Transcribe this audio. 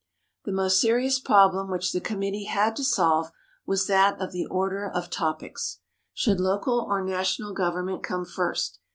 The most serious problem which the committee had to solve was that of the order of topics. Should local or national government come first?